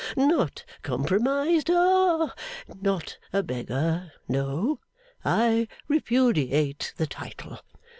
Not compromised. Ha. Not a beggar. No; I repudiate the title!